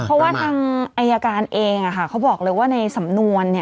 เพราะว่าทางอายการเองเขาบอกเลยว่าในสำนวน